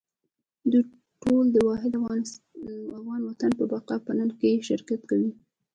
دوی ټول د واحد افغان وطن د بقا په ننګ کې شریک شول.